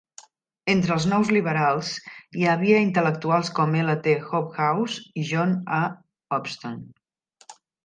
Entre els Nous Lliberals hi havia intel·lectuals com L. T. Hobhouse i John A. Hobson.